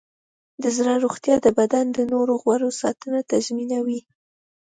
د زړه روغتیا د بدن د نور غړو ساتنه تضمینوي.